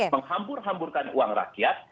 menghambur hamburkan uang rakyat